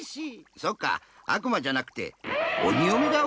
そっかあくまじゃなくておによめだわ。